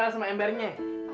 pel sama embernya